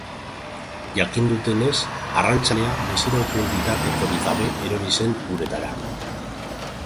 Jakin dutenez, arrantzalea biziraupen bitartekorik gabe erori zen uretara.